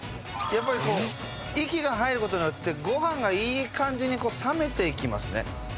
やっぱりこう息が入る事によってご飯がいい感じに冷めていきますね。